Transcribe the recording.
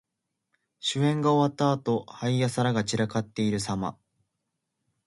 酒宴が終わったあと、杯や皿が散らかっているさま。